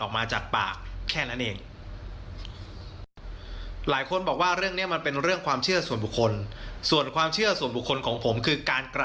การกระทำแบบนี้เข้าข่ายปราชิกเลยนะ